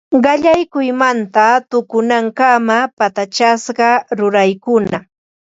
Qallaykuymanta tukunankama patachasqa ruraykuna